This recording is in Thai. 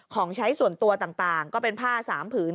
ของใช้ส่วนตัวต่างก็เป็นผ้า๓ผืน